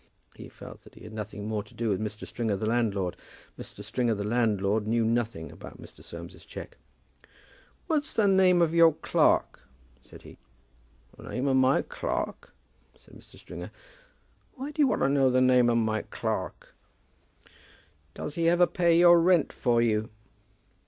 He felt that he had nothing more to do with Mr. Stringer, the landlord. Mr. Stringer, the landlord, knew nothing about Mr. Soames's cheque. "What's the name of your clerk?" said he. "The name of my clerk?" said Mr. Stringer. "Why do you want to know the name of my clerk?" "Does he ever pay your rent for you?"